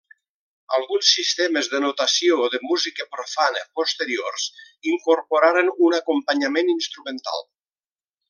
Alguns sistemes de notació de música profana posteriors incorporaren un acompanyament instrumental.